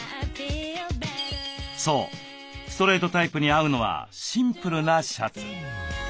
そうストレートタイプに合うのはシンプルなシャツ。